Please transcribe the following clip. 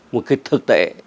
một cái thực tế